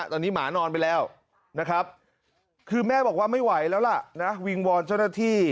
ตอนนี้หมานอนไปแล้วนะครับคือแม่บอกว่าไม่ไหวแล้วล่ะนะวิงวอนเจ้าหน้าที่